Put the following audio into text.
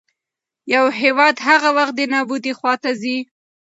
يـو هېـواد هـغه وخـت دې نـابـودۍ خـواتـه ځـي.